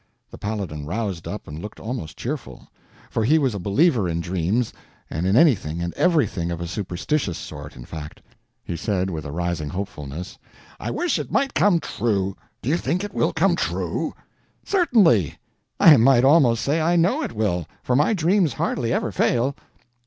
The Paladin roused up and looked almost cheerful; for he was a believer in dreams, and in anything and everything of a superstitious sort, in fact. He said, with a rising hopefulness: "I wish it might come true. Do you think it will come true?" "Certainly; I might almost say I know it will, for my dreams hardly ever fail."